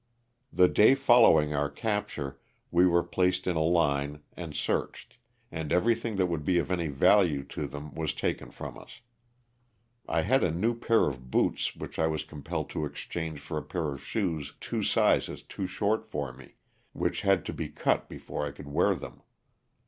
The day following our capture we were placed in a line and searched, and everything that would be of any value to them was taken from us. I had a new pair of boots which I was compelled to exchange for a pair of shoes two sizes too short for me, which had to be cut before I could wear them.